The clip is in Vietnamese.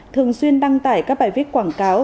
thường xuyên đăng tải các bài viết quảng cáo